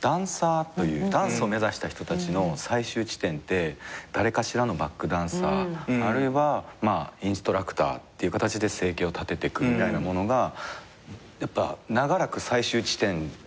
ダンサーというダンスを目指した人たちの最終地点って誰かしらのバックダンサーあるいはインストラクターっていう形で生計を立ててくみたいなものがやっぱ長らく最終地点だったっていうか。